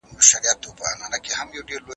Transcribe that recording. دلایل باید مستند وي.